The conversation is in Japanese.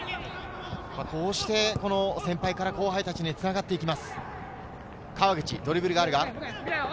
こうして先輩から後輩たちにつながっていきます。